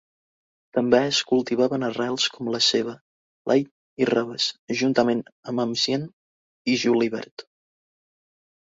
També es cultivaven arrels com la ceba, l'all i raves, juntament amb enciam i julivert.